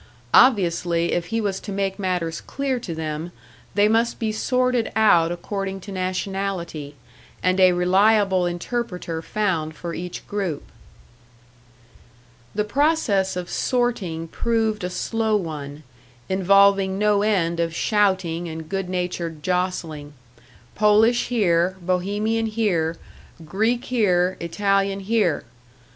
Obviously, if he was to make matters clear to them, they must be sorted out according to nationality, and a reliable interpreter found for each group. The process of sorting proved a slow one, involving no end of shouting and good natured jostling Polish here, Bohemian here, Greek here, Italian here!